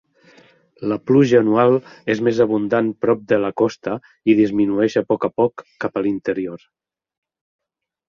La pluja anual és més abundant prop de la costa i disminueix a poc a poc cap a l'interior.